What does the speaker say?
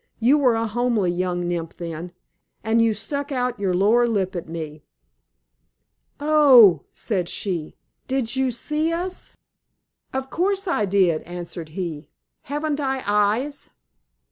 "You were a homely young Nymph then, and you stuck out your lower lip at me." "Oh!" said she. "Then you did see us?" "Of course I did," answered he. "Haven't I eyes?